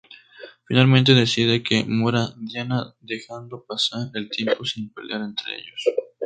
Finalmente, deciden que muera Dina, dejando pasar el tiempo, sin pelear entre ellos.